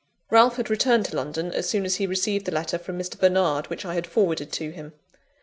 Ralph had returned to London, as soon as he received the letter from Mr. Bernard which I had forwarded to him.